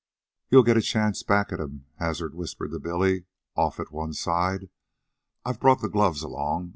"You'll get a chance back at him," Hazard whispered to Billy, off at one side. "I've brought the gloves along.